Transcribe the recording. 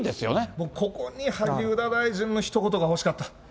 もうここに萩生田大臣のひと言がほしかった。